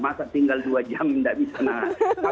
masa tinggal dua jam tidak bisa nak